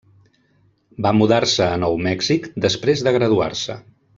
Va mudar-se a Nou Mèxic després de graduar-se.